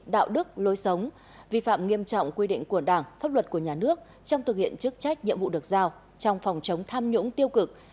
đạo đức lối sống vi phạm nghiêm trọng quy định của đảng pháp luật của nhà nước trong thực hiện chức trách nhiệm vụ được giao trong phòng chống tham nhũng tiêu cực